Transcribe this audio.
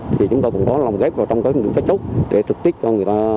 thì chúng ta cũng có lòng ghép vào trong các chốt để thực tiết cho người ta